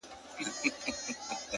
مـاتــه يــاديـــده اشـــــنـــا،